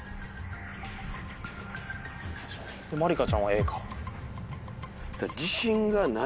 まりかちゃんはＡか。